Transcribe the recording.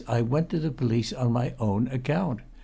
I went to the police on my own account.